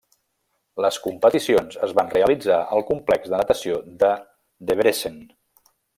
Les competicions es van realitzar al Complex de Natació de Debrecen.